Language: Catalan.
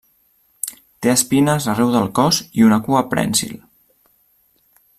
Té espines arreu del cos i una cua prènsil.